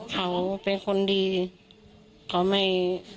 เขาเป็นคนดีเขาไม่